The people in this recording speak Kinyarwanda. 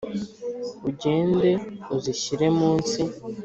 ugende uzishyire munsi